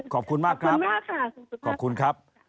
ขอบคุณมากครับ